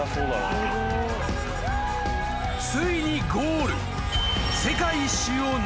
［ついにゴール］